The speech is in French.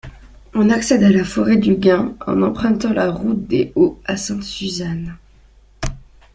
On accède à la forêt Dugain en empruntant la route des Hauts à Sainte-Suzanne.